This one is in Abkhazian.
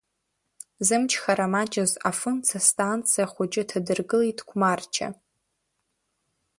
Зымчхара маҷыз афымца станциа хәыҷы ҭадыргылеит Қәмарча.